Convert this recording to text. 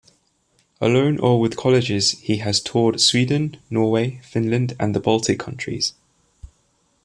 Alone or with colleges he has toured Sweden, Norway, Finland and the Baltic countries.